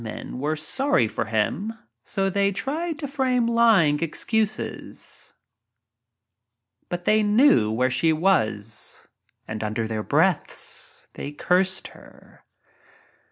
Men" were sorry for him so they lying excuses, but they knew where was and under their breaths they cursed her.